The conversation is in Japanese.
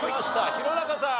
弘中さん。